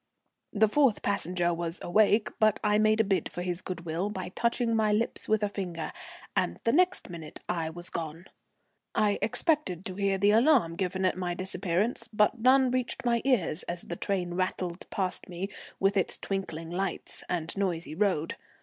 The fourth passenger was awake, but I made a bid for his good will by touching my lips with a finger, and the next minute I was gone. I expected to hear the alarm given at my disappearance, but none reached my ears, as the train rattled past me with its twinkling lights and noisy road.